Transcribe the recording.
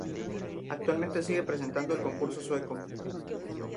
Actualmente sigue presentando el concurso sueco.